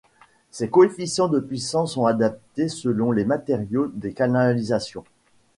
Ces coefficients de puissance sont adaptés selon les matériaux des canalisations.